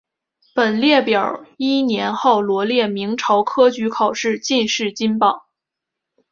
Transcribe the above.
本列表依年号罗列明朝科举考试进士金榜。